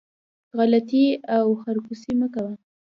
غلطي او خرکوسي مه کوئ